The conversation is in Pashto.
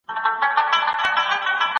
ایا د پښو د پړسوب لپاره پیاده تګ ګټه لري؟